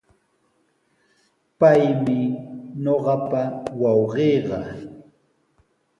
Paymi ñuqapa wawqiiqa.